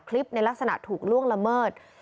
ในลักษณะถูกล่วงละเมิด